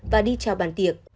và đi chào bàn tiệc